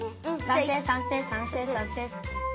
さんせいさんせいさんせいさんせい。